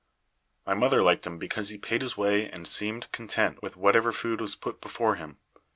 My mother liked him because he paid his way and seemed content with whatever food was put before him.